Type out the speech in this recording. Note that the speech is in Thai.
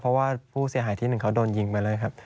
เพราะว่าผู้เสียหายที่หนึ่งเขาโดนยิงไปเลยครับ